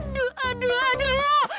aduh aduh aduh